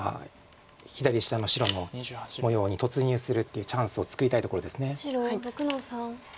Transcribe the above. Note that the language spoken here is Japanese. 左下の白の模様に突入するっていうチャンスを作りたいところです。